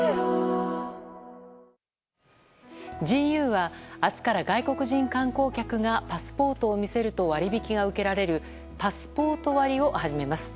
ＧＵは明日から外国人観光客がパスポートを見せると割引が受けられるパスポート割を始めます。